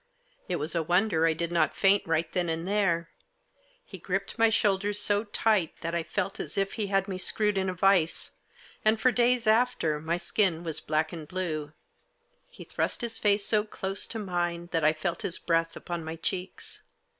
It was a wonder I did not faint right then and there. He gripped my shoulders so tight that I felt as if he had me screwed in a vice, and for days after my skin was black and blue. He thrust his face so close to mine that I felt his breath upon my cheeks.